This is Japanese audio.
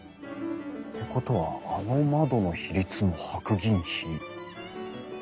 ってことはあの窓の比率も白銀比。